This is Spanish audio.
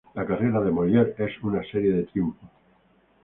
La carrera de Moeller es una serie de triunfos.